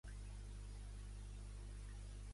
Temeu l'home d'un sol periòdic.